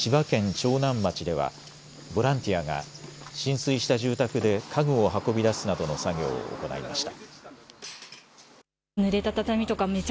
長南町ではボランティアが浸水した住宅で家具を運び出すなどの作業を行いました。